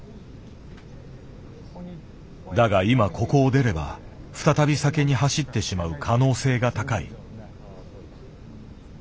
だが今ここを出れば再び酒に走ってしまう可能性が高い。